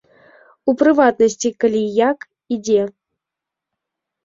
У прыватнасці, калі, як і дзе.